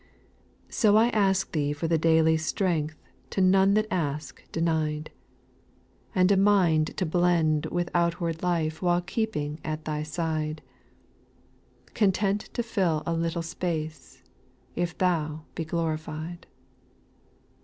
' 15. So I ask Thee for the daily strength To none that ask denied, SPIRITUAL SONGS, 186 And a mind to blend with out\^ard life While keeping at Thy side ; C'ontent to fill a little space, If Thou be glorified.